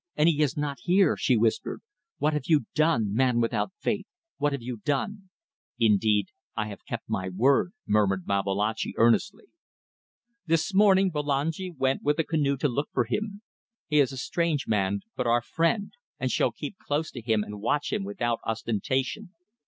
And he is not here," she whispered; "what have you done, man without faith? What have you done?" "Indeed I have kept my word," murmured Babalatchi, earnestly. "This morning Bulangi went with a canoe to look for him. He is a strange man, but our friend, and shall keep close to him and watch him without ostentation.